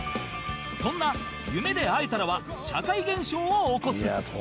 そんな『夢で逢えたら』は社会現象を起こす